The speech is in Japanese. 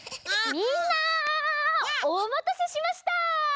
みんなおまたせしました！